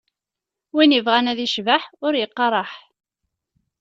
Win ibɣan ad icbeḥ, ur iqqaṛ eḥ!